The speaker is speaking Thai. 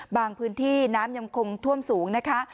พื้นที่น้ำยังคงท่วมสูงนะคะ